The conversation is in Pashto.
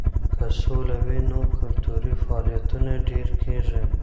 که سوله وي نو کلتوري فعالیتونه ډېر کیږي.